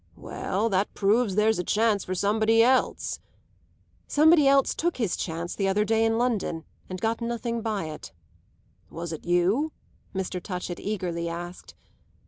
"Well, that proves there's a chance for somebody else." "Somebody else took his chance the other day in London and got nothing by it." "Was it you?" Mr. Touchett eagerly asked.